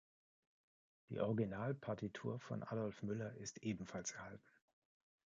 Die Originalpartitur von Adolf Müller ist ebenfalls erhalten.